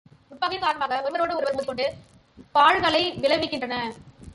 உட்பகையின் காரணமாக ஒருவரோடு ஒருவர் மோதிக் கொண்டு பாழ்களை விளைவிக்கின்றனர்.